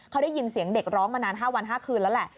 เขาได้ยินเสียงเด็กร้องมานาน๕วัน๕คืนแล้วแหละ